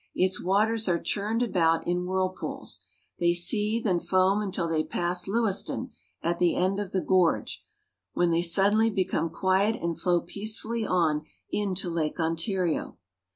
Its waters are churned about in whirlpools. They seethe and foam until they pass Lewiston, at the end of the gorge, when they suddenly become quiet and flow peacefully on into Lake Ontario.